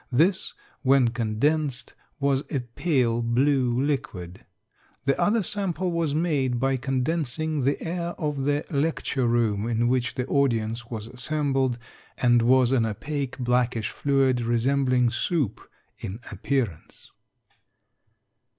This, when condensed, was a pale blue liquid. The other sample was made by condensing the air of the lecture room in which the audience was assembled, and was an opaque, blackish fluid, resembling soup in appearance.